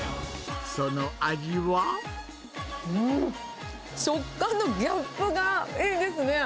うーん、食感のギャップがいいですね。